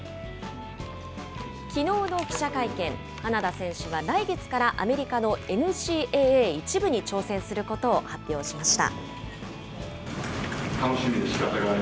きのうの記者会見、花田選手は来月から、アメリカのＮＣＡＡ１部に挑戦することを発表しました。